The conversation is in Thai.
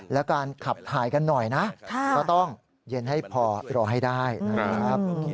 แล้วการขับถ่ายกันหน่อยนะก็ต้องเย็นให้พอรอให้ได้นะครับ